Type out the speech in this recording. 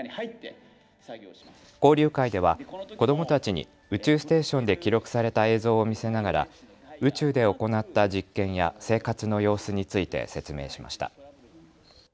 交流会では子どもたちに宇宙ステーションで記録された映像を見せながら宇宙で行った実験や生活の様子について説明しました。